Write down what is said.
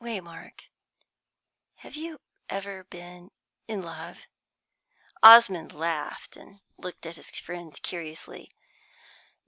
"Waymark, have you ever been in love?" Osmond laughed, and looked at his friend curiously.